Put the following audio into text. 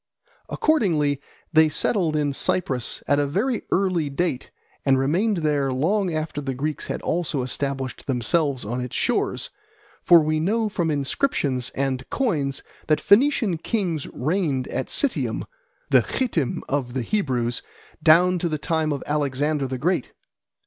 Accordingly they settled in Cyprus at a very early date and remained there long after the Greeks had also established themselves on its shores; for we know from inscriptions and coins that Phoenician kings reigned at Citium, the Chittim of the Hebrews, down to the time of Alexander the Great.